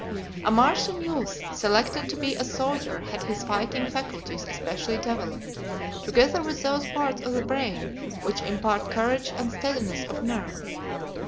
A Martian youth selected to be a soldier had his fighting faculties especially developed, together with those parts of the brain which impart courage and steadiness of nerve.